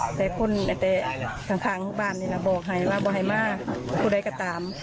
เอียดคุณในจ่ายข้างบ้านระบอกใช้มาคุณได้กลับตาม